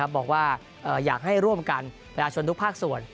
บอกว่าอยากให้ร่วมกันประชาชนทุกภาคส่วน